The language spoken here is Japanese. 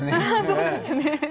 そうですね。